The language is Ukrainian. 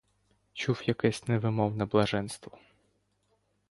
Чув якесь невимовне блаженство.